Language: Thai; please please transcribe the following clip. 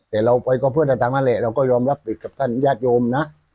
แต่เราไปก็เพื่อนต่างนั่นแหละเราก็ยอมรับผิดกับท่านญาติโยมนะ